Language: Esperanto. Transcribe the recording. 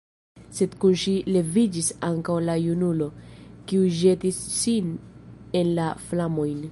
Sed kun ŝi leviĝis ankaŭ la junulo, kiu ĵetis sin en la flamojn.